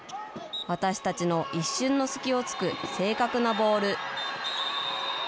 私たちの一瞬の隙をつく正確なボール。